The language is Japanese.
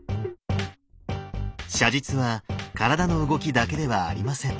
写実は体の動きだけではありません。